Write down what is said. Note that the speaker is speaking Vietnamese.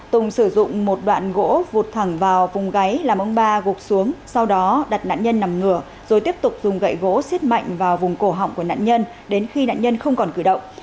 tùng sử dụng một đoạn gỗ vụt thẳng vào vùng gáy làm ông ba gục xuống sau đó đặt nạn nhân nằm ngửa rồi tiếp tục dùng gậy gỗ xiết mạnh vào vùng cổ họng của nạn nhân đến khi nạn nhân không còn cử động